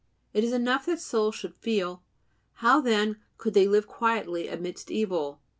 It is enough that souls should "feel." How, then, could they live quietly amidst evil?